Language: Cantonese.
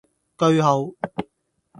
句號